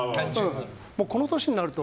もう、この年になると。